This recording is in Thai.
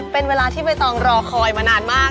เป็นเวลาที่ใบตองรอคอยมานานมาก